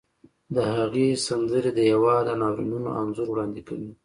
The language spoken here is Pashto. د هغې سندرې د هېواد د ناورینونو انځور وړاندې کوي